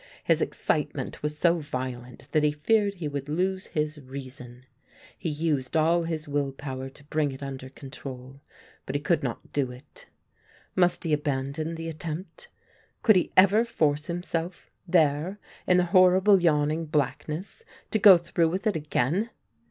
His excitement was so violent that he feared he would lose his reason. He used all his will power to bring it under control; but he could not do it. Must he abandon the attempt, could he ever force himself, there, in the horrible yawning blackness to go through with it again?